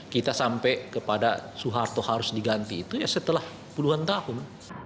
kita sampai kepada soeharto harus diganti itu ya setelah puluhan tahun